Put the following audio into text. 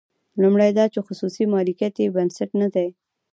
لومړی دا چې خصوصي مالکیت یې بنسټ نه دی.